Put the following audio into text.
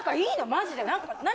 マジで何？